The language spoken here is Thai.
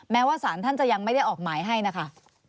แม้ว่าสารท่านจะยังไม่ได้ออกหมายให้นะคะ